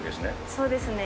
そうですね。